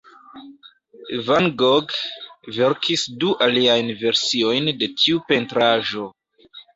Van Gogh verkis du aliajn versiojn de tiu pentraĵo.